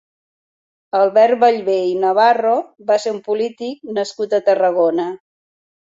Albert Vallvé i Navarro va ser un polític nascut a Tarragona.